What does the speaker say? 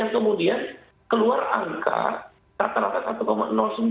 kemudian keluar angka kata kata satu sembilan